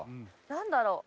何だろう？